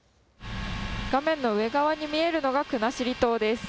画面の上側に見えるのが国後島です。